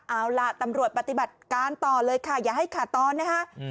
เอาล่ะตำรวจปฏิบัติการต่อเลยค่ะอย่าให้ขาดตอนนะคะ